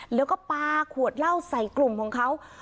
แล้วก็ปลาขวดเหล้าใส่กลุ่มของเขา